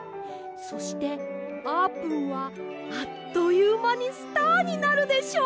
そしてあーぷんはあっというまにスターになるでしょう！